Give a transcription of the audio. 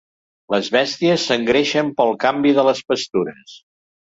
Les bèsties s'engreixen pel canvi de les pastures.